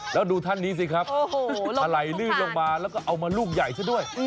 แล้วดูท่านนี้สิครับถลายลื่นลงมาแล้วก็เอามาลูกใหญ่ซะด้วย